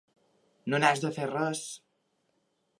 No n'has de fer res!